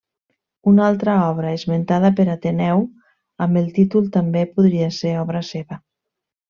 Una altra obra esmentada per Ateneu amb el títol també podria ser obra seva.